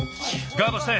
ガードして。